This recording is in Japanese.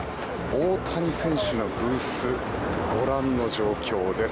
大谷選手のブースご覧の状況です。